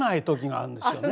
あるんですよね。